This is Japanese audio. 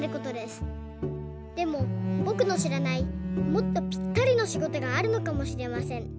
でもぼくのしらないもっとぴったりのしごとがあるのかもしれません。